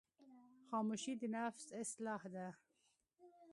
خاموشي، د نفس اصلاح ده.